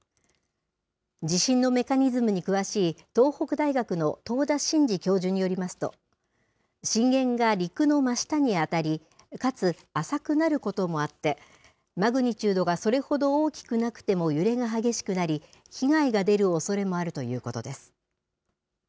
地震のメカニズムに詳しい、東北大学の遠田晋次教授によりますと、震源が陸の真下に当たり、かつ浅くなることもあって、マグニチュードがそれほど大きくなくても揺れが激しくなり、被害が出るおそれもあるということです。